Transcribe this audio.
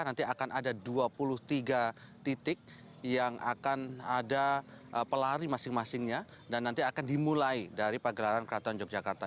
nanti akan ada dua puluh tiga titik yang akan ada pelari masing masingnya dan nanti akan dimulai dari pagelaran keraton yogyakarta